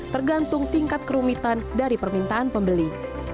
tergantung tingkat kerumitan dari permintaan pembeli